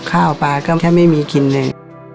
ข้าวปลาก็แทบไม่มีกินเลย